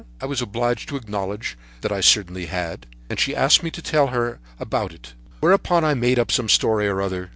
I was obliged to acknowledge that I certainly had, and she asked me to tell her all about it. Whereupon I made up some story or other.